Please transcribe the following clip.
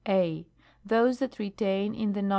I. Those that retain in the Nom.